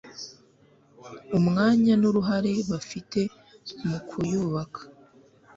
umwanya n'uruhare bafite mu kuyubaka